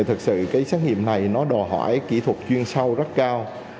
thực sự cái xét nghiệm này nó đòi hỏi kỹ thuật chuyên sâu rất cao